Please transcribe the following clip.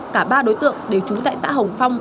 cả ba đối tượng đều trú tại xã hồng phong